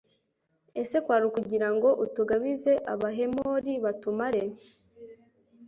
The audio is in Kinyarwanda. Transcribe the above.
ese kwari ukugira ngo utugabize abahemori batumare